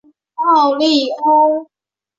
奥里翁。